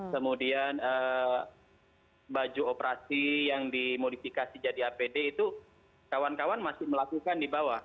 kemudian baju operasi yang dimodifikasi jadi apd itu kawan kawan masih melakukan di bawah